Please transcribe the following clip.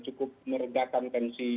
cukup meredakan tensi